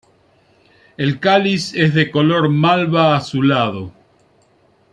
El cáliz es de color malva-azulado.